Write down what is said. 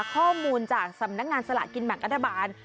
ข้อมูลจากสำนักงานสลากกินแบ่งรัฐบาล